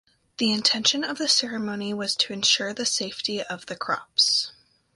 The intention of the ceremony was to ensure the safety of the crops.